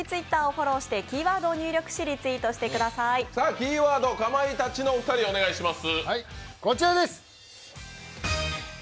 キーワード、かまいたちのお二人、お願いします。